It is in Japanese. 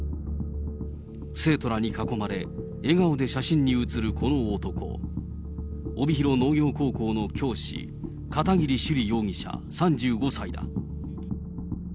生徒らに囲まれ、笑顔で写真に写るこの男、帯広農業高校の教師、片桐朱璃容疑者３５歳だ。